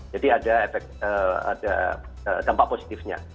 jadi ada dampak positifnya